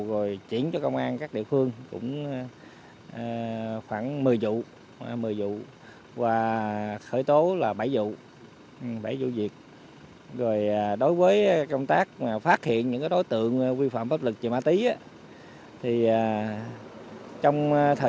rồi chuyển cho công an các địa phương